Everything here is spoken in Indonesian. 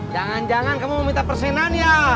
jangan jangan kamu minta persenan ya